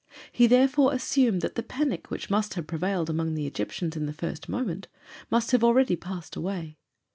He therefore assumed that the panic which must have prevailed among the Egyptians in the first moment must have already passed away.